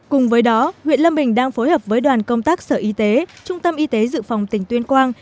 cùng với đó huyện lâm bình đang phối hợp với đoàn công tác sở y tế trung tâm y tế dự phòng tỉnh tuyên quang